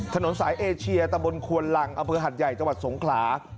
ถนนสายเอเชียตะบนควนลังอำเภอหัดใหญ่จังหวัดสงขลา